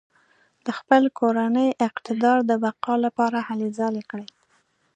د خپل کورني اقتدار د بقا لپاره هلې ځلې کړې.